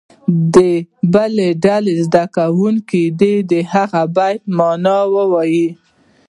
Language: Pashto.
د بلې ډلې یو زده کوونکی دې د هغه بیت معنا ووایي.